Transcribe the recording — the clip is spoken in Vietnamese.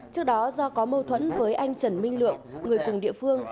trước đó do có mâu thuẫn với anh trần minh lượng người cùng địa phương